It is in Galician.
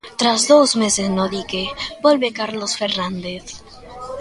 Tras dous meses no dique, volve Carlos Fernández.